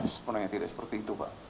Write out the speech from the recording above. sepenuhnya tidak seperti itu pak